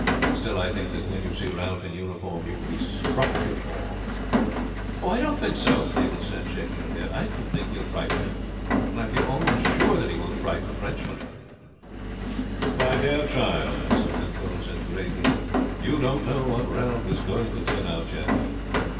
Still I think that when you see Ralph in his uniform, you will be struck with awe." "I don't think so," Mabel said, shaking her head. "I don't think he will frighten me, and I feel almost sure that he won't frighten the Frenchmen." "My dear child," Mr. Penfold said gravely, "you don't know what Ralph is going to turn out yet.